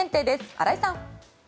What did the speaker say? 荒井さん。